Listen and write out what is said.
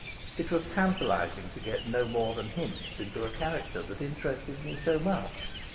It was tantalising to get no more than hints into a character that interested me so much.